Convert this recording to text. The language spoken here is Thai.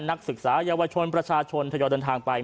นักศึกษาเยาวชนประชาชนทยอยเดินทางไป